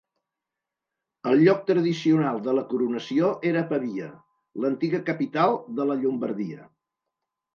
El lloc tradicional de la coronació era Pavia, l'antiga capital de la Llombardia.